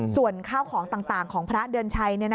ส่วนข้าวของต่างของพระเดือนชัย